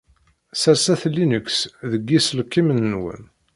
Sserset Linux deg yiselkimen-nwen!